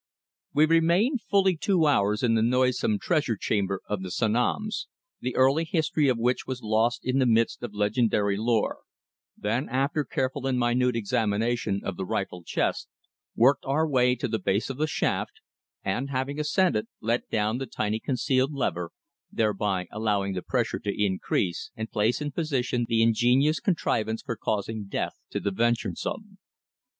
WE remained fully two hours in the noisome Treasure chamber of the Sanoms, the early history of which was lost in the mist of legendary lore, then after careful and minute examination of the rifled chests, worked our way to the base of the shaft, and, having ascended, let down the tiny concealed lever, thereby allowing the pressure to increase, and place in position the ingenious contrivance for causing death to the venturesome.